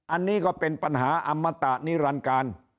อันนี้ก็เป็นปัญหาอมตะนิรันการ